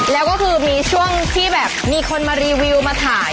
แล้วก็มีช่วงที่ใครมารีวิวมาถ่าย